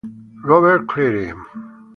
Robert Cleary